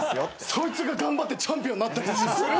そいつが頑張ってチャンピオンなったりする。